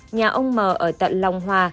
nhà ông m ở tận long hoa